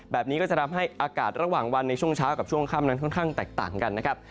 แบบนี้ก็จะทำให้อากาศระหว่างวันในช่วงเช้ากับช่วงค่ำนั้นค่อนข้างแตกต่างกันนะครับ